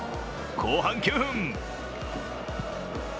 後半９分。